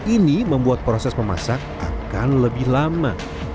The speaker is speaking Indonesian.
ini membuat proses memasak akan lebih lama